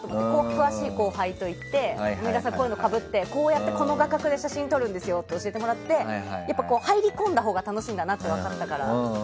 詳しい後輩と行って水卜さん、こういうのをかぶってこういう画角で写真を撮るんですよって教えてもらって入り込んだほうが楽しいんだなって分かったから。